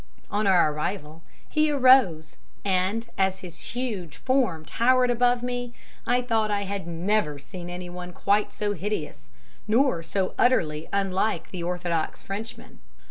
On our arrival he arose, and as his huge form towered above me, I thought I had never seen anyone quite so hideous, nor so utterly unlike the orthodox Frenchman.